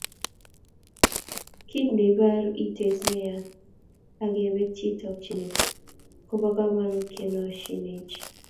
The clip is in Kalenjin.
Kit ne iboru eitiet neya ak kibetyi tokchinet kobo komonut kenoisiechi